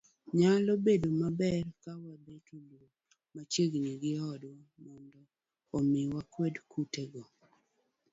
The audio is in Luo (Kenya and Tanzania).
Nyalo bedo maber ka wabeto lum machiegni gi odwa mondo omi wakwed kutego.